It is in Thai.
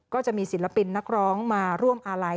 ศิลปินนักร้องมาร่วมอาลัย